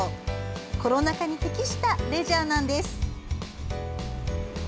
コロナ禍に適したレジャーなんです。